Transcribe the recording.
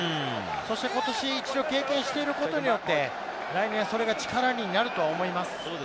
そして今年１度経験していることによって来年それが力になると思います。